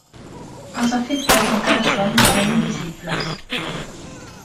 Els efectes encara són ben visibles.